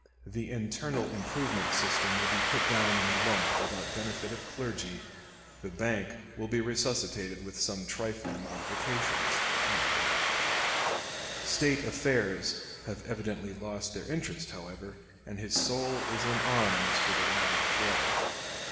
The Internal Improvement System will be put down in a lump without benefit of clergy. The Bank will be resuscitated with some trifling modifications." State affairs have evidently lost their interest, however, and his soul is in arms for the wider fray.